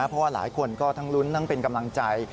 เพราะว่าหลายคนก็ทั้งลุ้นทั้งเป็นกำลังใจ